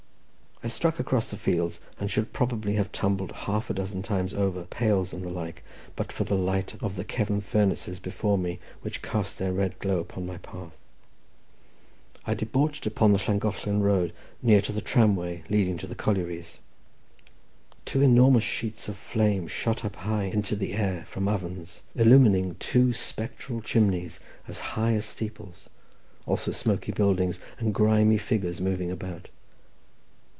I struck across the fields, and should probably have tumbled half a dozen times over pales and the like, but for the light of the Cefn furnaces before me, which cast their red glow upon my path. I debouched upon the Llangollen road near to the tramway leading to the collieries. Two enormous sheets of flame shot up high into the air from ovens, illumining two spectral chimneys as high as steeples, also smoky buildings, and grimy figures moving about.